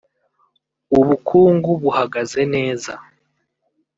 ubukungu buhagaze neza